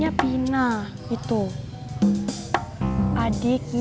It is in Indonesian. kamu ingat sama aku kan